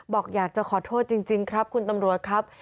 บอกอยากจะขอโทษจริงครับคุณตำรวจครับ